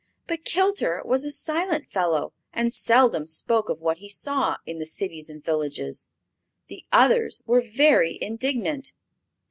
But Kilter was a silent fellow, and seldom spoke of what he saw in the cities and villages. The others were very indignant.